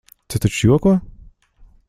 Tu taču joko?